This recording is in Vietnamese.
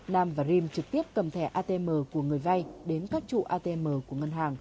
nam và dream trực tiếp cầm thẻ atm của người vay đến các trụ atm của ngân hàng